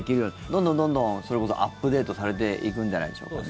どんどんどんどん、それこそアップデートされていくんじゃないでしょうかね。